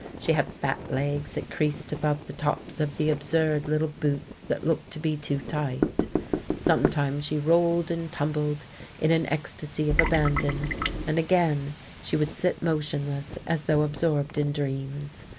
She had fat legs that creased above the tops of the absurd little boots that looked to be too tight; sometimes she rolled and tumbled in an ecstasy of abandon, and again she would sit motionless, as though absorbed in dreams.